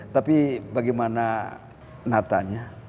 tapi bagaimana natanya